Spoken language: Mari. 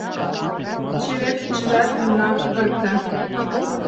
Чевер кечыжат мемнам ырыкта